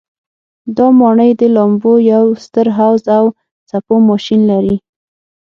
دا ماڼۍ د لامبو یو ستر حوض او څپو ماشین لري.